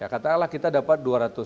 katakanlah kita dapat